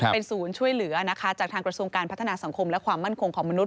เป็นศูนย์ช่วยเหลือนะคะจากทางกระทรวงการพัฒนาสังคมและความมั่นคงของมนุษ